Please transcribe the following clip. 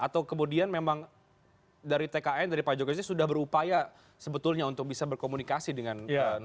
atau kemudian memang dari tkn dari pak jokowi sudah berupaya sebetulnya untuk bisa berkomunikasi dengan nasdem